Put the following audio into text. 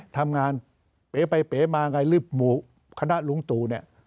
ทำงานเป๋ไปเป๋มาไงหรือหมู่คณะลุงตู่เนี่ย